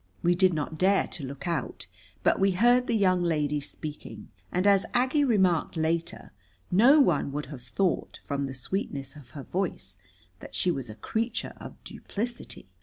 We did not dare to look out, but we heard the young lady speaking, and as Aggie remarked later, no one would have thought, from the sweetness of her voice, that she was a creature of duplicity.